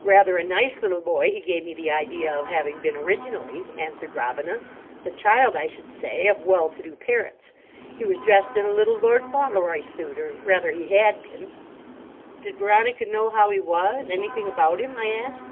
"Rather a nice little boy, he gave me the idea of having been, originally," answered Robina; "the child, I should say, of well to do parents. He was dressed in a little Lord Fauntleroy suit—or rather, he had been." "Did Veronica know how he was—anything about him?" I asked.